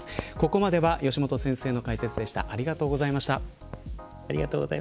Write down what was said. ここまでは吉本先生の解説でした。